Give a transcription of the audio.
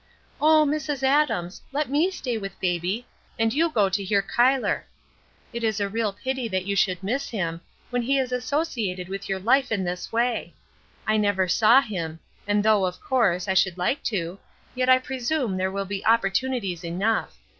"Oh, Mrs. Adams, let me stay with baby, and you go to hear Cuyler. It is a real pity that you should miss him, when he is associated with your life in this way. I never saw him, and though, of course, I should like to, yet I presume there will be opportunities enough.